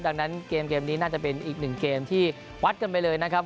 ดังนั้นเกมนี้น่าจะเป็นอีกหนึ่งเกมที่วัดกันไปเลยนะครับ